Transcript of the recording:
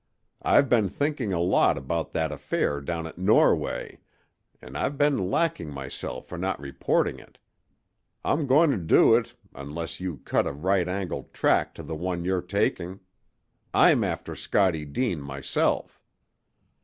"I've been thinking a lot about that affair down at Norway, an' I've been lacking myself for not reporting it. I'm going to do it unless you cut a right angle track to the one you're taking. I'm after Scottie Deane myself!"